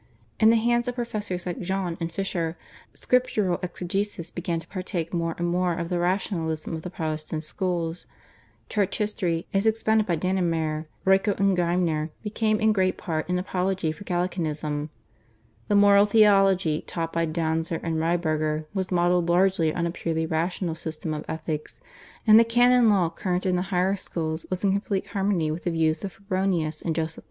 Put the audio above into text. In the hands of professors like Jahn and Fischer, Scriptural Exegesis began to partake more and more of the rationalism of the Protestant schools; Church History as expounded by Dannenmayr, Royko, and Gmeiner, became in great part an apology for Gallicanism; the Moral Theology taught by Danzer and Reyberger was modelled largely on a purely rational system of ethics, and the Canon Law current in the higher schools was in complete harmony with the views of Febronius and Joseph II.